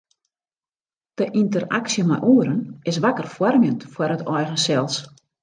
De ynteraksje mei oaren is wakker foarmjend foar it eigen sels.